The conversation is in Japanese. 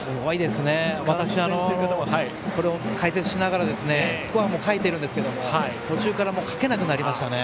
私、解説しながらスコアも書いてるんですけど途中から書けなくなりましたね。